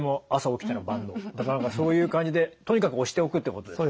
そういう感じでとにかく押しておくってことですね。